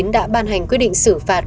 đã ban hành quyết định xử phạt